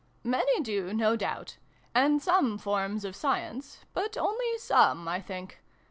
" Many do, no doubt. And some forms of Science ; but only some, I think.